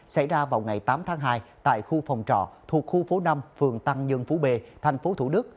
xảy ra vào ngày tám tháng hai tại khu phòng trọ thuộc khu phố năm phường tăng nhân phú b tp thủ đức